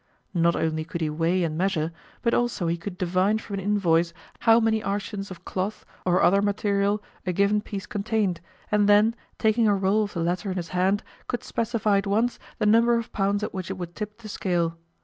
Not only could he weigh and measure, but also he could divine from an invoice how many arshins of cloth or other material a given piece contained, and then, taking a roll of the latter in his hand, could specify at once the number of pounds at which it would tip the scale.